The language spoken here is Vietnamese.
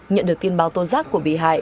nhận được tin báo tôn giác của bị hại